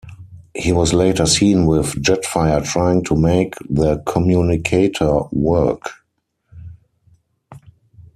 He was later seen with Jetfire trying to make the communicator work.